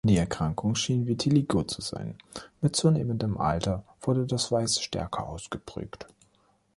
Die Erkrankung schien Vitiligo zu sein; mit zunehmendem Alter wurde das Weiß stärker ausgeprägt.